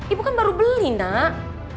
ibu kan baru beli nak